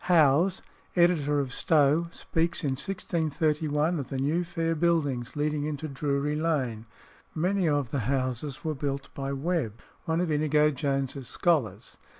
Howes (editor of Stow) speaks in 1631, of "the new fair buildings leading into Drury Lane." Many of the houses were built by Webb, one of Inigo Jones's scholars.